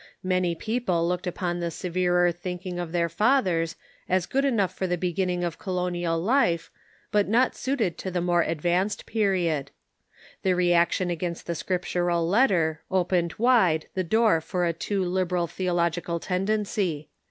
Many people looked upon the severer thinking of their fathers as good enough for the beginning of colonial life, but not suited to the more advanced j^eriod. The reaction against the Script ural letter opened wide the door for a too liberal theological tendency.